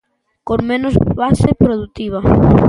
Con menos base produtiva.